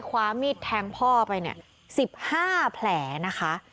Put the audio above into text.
คว้ามิดแทงพ่อไปเนี่ยสิบห้าแผลนะคะ